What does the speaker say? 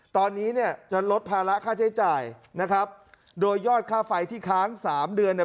ตอนนี้เนี่ยจะลดภาระค่าใช้จ่ายนะครับโดยยอดค่าไฟที่ค้างสามเดือนเนี่ย